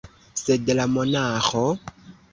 Sed la monaĥo?